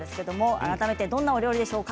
改めてどんなお料理ですか？